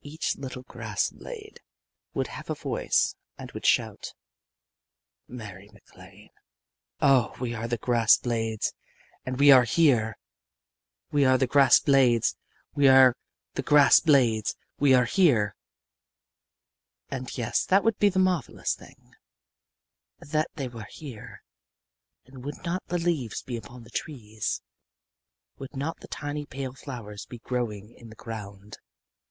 Each little grass blade would have a voice and would shout: _Mary MacLane, oh, we are the grass blades and we are here! We are the grass blades, we are the grass blades, and we are here!_ And yes. That would be the marvelous thing that they were here. And would not the leaves be upon the trees? and would not tiny pale flowers be growing in the ground?